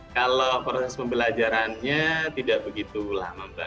kalau proses pembelajarannya tidak begitu lama mbak